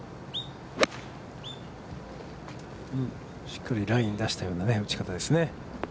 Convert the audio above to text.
しっかりラインを出したような打ち方ですね。